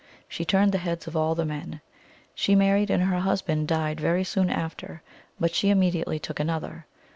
She turned the heads of all the men. She married, and her husband died very soon after, but she imme diately took another.